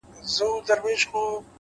د حقیقت رڼا پټېدلی نه شي’